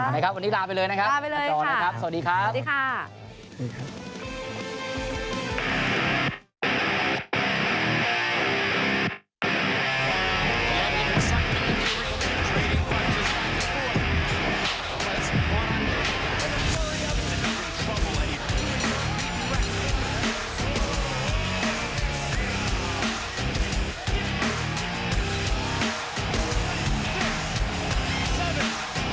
วันนี้ลาไปเลยนะครับลาไปเลยค่ะสวัสดีครับสวัสดีค่ะ